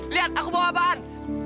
lihat aku mau apaan